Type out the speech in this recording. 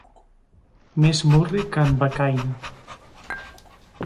Més murri que en Becaina.